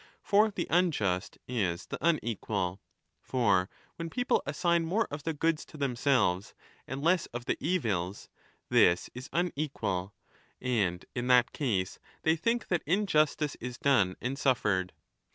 For the unjust is the unequal. For 20 when people assign more of the goods to themselves and less of the evils, this is unequal, and in that case they think that injustice is done and suffered.